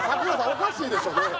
おかしいでしょねえ